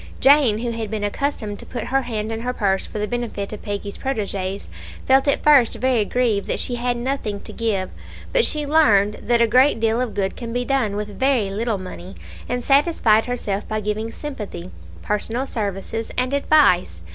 Jane, who had been accustomed to put her hand in her purse for the benefit of Peggy's proteges, felt at first very grieved that she had nothing to give, but she learned that a great deal of good can be done with very little money, and satisfied herself by giving sympathy, personal services, and advice.